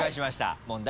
問題